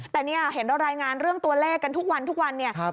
แต่เห็นเรารายงานเรื่องตัวเลขกันทุกวัน